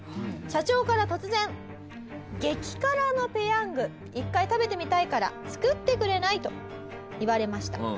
社長から突然「激辛のペヤング一回食べてみたいから作ってくれない？」と言われました。